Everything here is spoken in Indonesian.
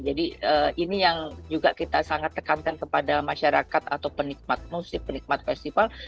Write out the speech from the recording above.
jadi ini yang juga kita sangat tekankan kepada masyarakat atau penikmat musik penikmat festival